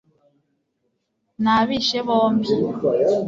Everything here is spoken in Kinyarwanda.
nabishe bombi